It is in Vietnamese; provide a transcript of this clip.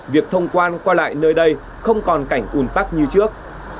việc thông quan qua lại nơi đây không còn cảnh un tắc như trước